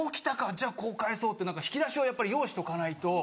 じゃあこう返そうって引き出しはやっぱり用意しとかないと。